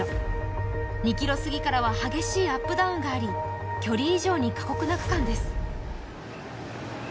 ２ｋｍ過ぎからは激しいアップダウンがあり、距離以上に過酷な区間です。